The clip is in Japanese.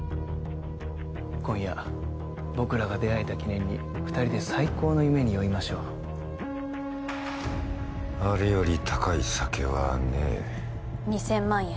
今夜僕らが出会えた記念に二人で最高の夢に酔いましょうあれより高い酒はねえ２０００万円